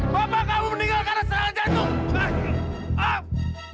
bapak kamu meninggal karena serangan jahat itu